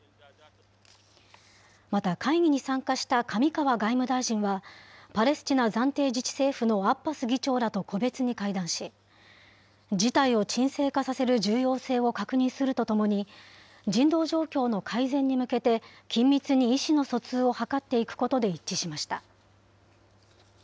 また会議に参加した上川外務大臣は、パレスチナ暫定自治政府のアッバス議長らと個別に会談し、事態を沈静化させる重要性を確認するとともに、人道状況の改善に向けて緊密に意思の疎通を図っていくことで一致しました。